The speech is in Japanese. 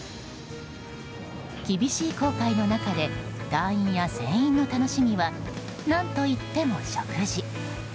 厳しい航海の中で隊員や船員の楽しみは何といっても食事。